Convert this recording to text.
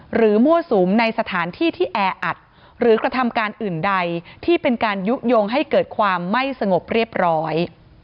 มั่วสุมในสถานที่ที่แออัดหรือกระทำการอื่นใดที่เป็นการยุโยงให้เกิดความไม่สงบเรียบร้อย